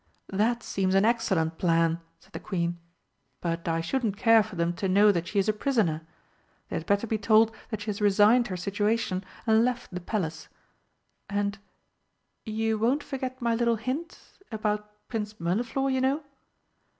"That seems an excellent plan," said the Queen. "But I shouldn't care for them to know that she is a prisoner. They had better be told that she has resigned her situation and left the Palace. And you won't forget my little hint about Prince Mirliflor, you know?"